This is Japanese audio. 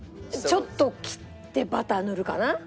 ちょっと切ってバター塗るかな。